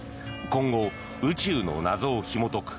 今後、宇宙の謎をひもとく